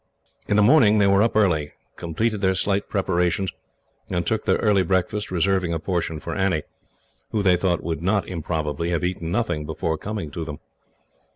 In the morning they were up early, completed their slight preparations, and took their early breakfast, reserving a portion for Annie, who, they thought, would not improbably have eaten nothing before coming to them.